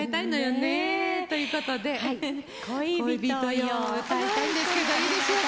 ねえ。ということで「恋人よ」を歌いたいんですけどいいでしょうか？